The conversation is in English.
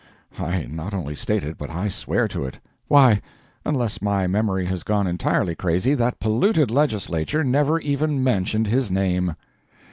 I not only state it, but I swear to it. Why, unless my memory has gone entirely crazy, that polluted Legislature never even mentioned his name!